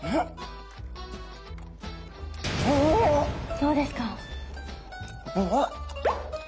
どうですか？